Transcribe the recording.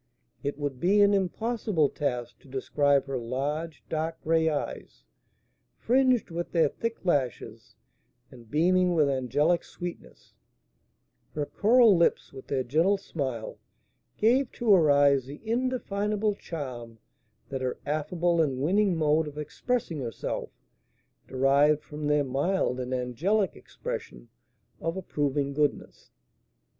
It would be an impossible task to describe her large dark gray eyes, fringed with their thick lashes, and beaming with angelic sweetness; her coral lips, with their gentle smile, gave to her eyes the indefinable charm that her affable and winning mode of expressing herself derived from their mild and angelic expression of approving goodness.